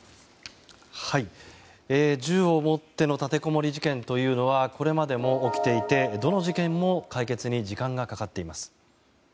銃を持っての立てこもり事件というのはこれまでも起きていてどの事件も、解決に時間がかかっています。